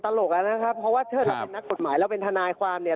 เพราะว่าเชิญเราเป็นนักกฎหมายเราเป็นทนายความเนี่ย